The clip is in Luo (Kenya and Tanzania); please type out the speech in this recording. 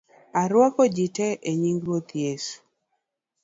Arwako ji tee enying Ruoth Yesu